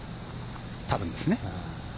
多分ですね。